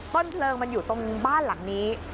ต้นเพลิงมันอยู่ตรงบ้านหลังนี้